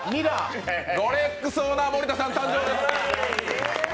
ロレックスオーナー森田さん誕生です！